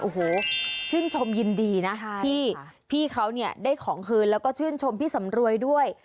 โอ้โหชื่นชมยินดีนะที่พี่เขาเนี่ยได้ของคืนแล้วก็ชื่นชมพี่สำรวยด้วย